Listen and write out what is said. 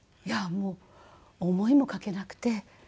いやもう思いもかけなくて。